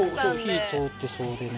火通ってそうでね。